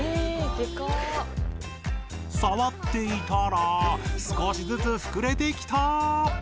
触っていたら少しずつ膨れてきた。